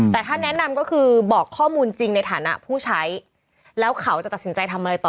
แต่ถ้าแนะนำก็คือบอกข้อมูลจริงในฐานะผู้ใช้แล้วเขาจะตัดสินใจทำอะไรต่อ